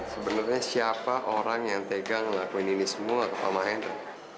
sebenernya siapa orang yang tegang ngelakuin ini semua ke mama hendra